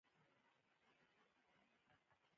شېخ بستان په ځوانۍ کښي هندوستان ته ولاړ.